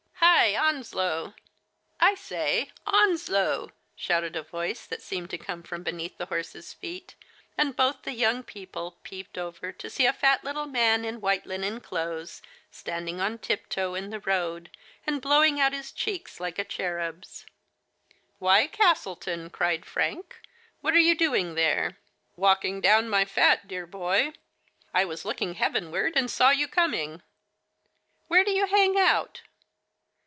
" Hi ! Onslow ! I say, Onslow /" shouted a voice that seemed to come from beneath the horses' feet, and both the young people peeped over to see a fat little man in white linen clothes, standing on tiptoe on the road, and blowing out his cheeks like a cherub's. "Why, Castleton!" cried Frank, "what are you doing there ?"" Walking down my fat, dear boy. I was look ing heavenward, and saw you coming. Where do you hang out